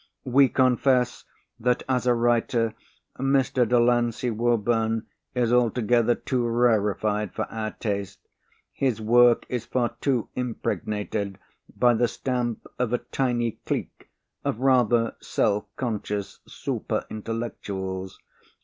"We confess that as a writer Mr. Delancey Woburn is altogether too rarefied for our taste. His work is far too impregnated by the stamp of a tiny clique of rather self conscious superintellectuals.